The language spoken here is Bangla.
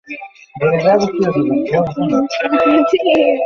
সেনাবাহিনীও হান্দোয়ারার নাগরিক সমাজের অনুরোধে গতকাল শহরের তিনটি বাংকার তুলে দিয়েছে।